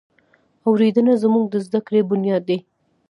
اورېدنه زموږ د زده کړې بنیاد دی.